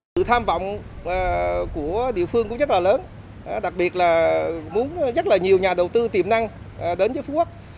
sự tham vọng của địa phương cũng rất là lớn đặc biệt là muốn rất là nhiều nhà đầu tư tiềm năng đến với phú quốc